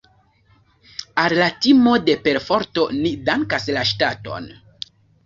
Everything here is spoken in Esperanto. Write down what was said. Al la timo de perforto ni dankas la ŝtaton.